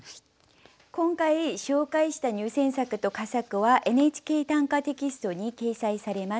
今回紹介した入選作と佳作は「ＮＨＫ短歌」テキストに掲載されます。